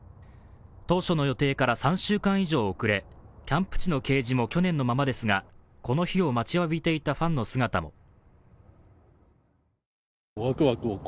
当初の予定から３週間以上遅れキャンプ地の掲示も去年のままですが、この日を待ちわびていたファンの姿も。